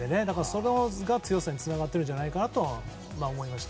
それが強さにつながっているんじゃないかと思いました。